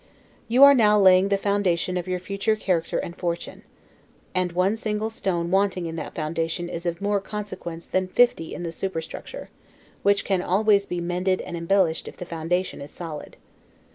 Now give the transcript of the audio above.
You are now laying the foundation of your future character and fortune; and one single stone wanting in that foundation is of more consequence than fifty in the superstructure; which can always be mended and embellished if the foundation is solid.